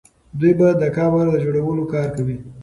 دوی به د قبر د جوړولو کار کوي.